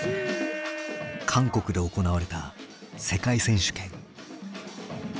韓国で行われた世界選手権。